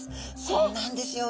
そうなんですよ。